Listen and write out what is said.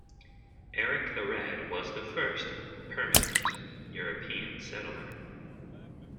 Erik the Red was the first "permanent" European settler.